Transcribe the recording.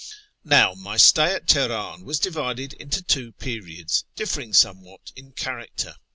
Now, my stay at Teheran was divided into two periods, differing somewhat in character.